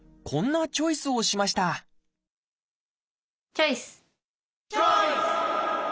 こんなチョイスをしましたチョイス！